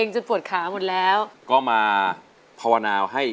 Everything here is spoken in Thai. จุดปลอดภัย